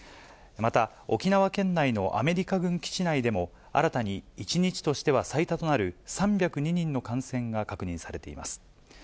また、沖縄県内のアメリカ軍基地内でも、新たに、１日としては最多となる３０２人の感染が確認されています。